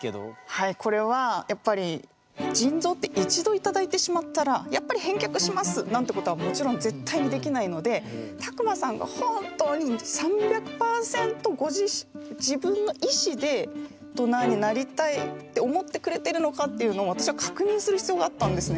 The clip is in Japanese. はいこれはやっぱり腎臓って一度頂いてしまったらやっぱり返却しますなんてことはもちろん絶対にできないので卓馬さんが本当に３００％って思ってくれてるのかっていうのを私は確認する必要があったんですね。